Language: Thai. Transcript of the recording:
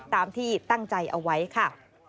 ตามที่ตั้งใจเอาไว้ค่ะ